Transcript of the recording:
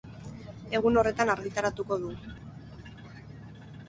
Egun horretan argitaratuko du.